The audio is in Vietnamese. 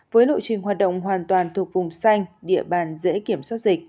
với lộ trình hoạt động hoàn toàn thuộc vùng xanh địa bàn dễ kiểm soát dịch